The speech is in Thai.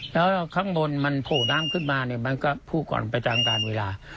แล้วข้างบนมันโผล่น้ำขึ้นมาเนี่ยมันก็พูดก่อนไปตามการเวลา